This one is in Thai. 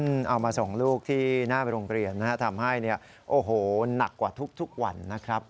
เอามาส่งลูกที่หน้าไปโรงเรียนทำให้น่ากว่าทุกวันนะครับ